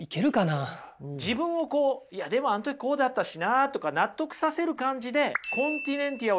自分をこういやでもあの時こうだったしなとか納得させる感じでコンティネンティアを意識してくださいね。